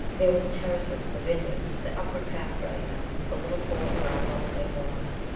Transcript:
There were the terraces, the vineyards, the upward path threading them, the little port where our boat lay moored.